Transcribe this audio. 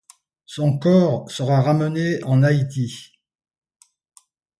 Son corps sera ramené en Haïti.